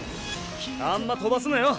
あんまトバすなよ。